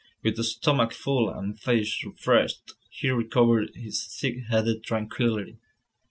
With stomach full, and face refreshed, he recovered his thick headed tranquillity.